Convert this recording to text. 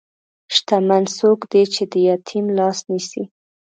شتمن څوک دی چې د یتیم لاس نیسي.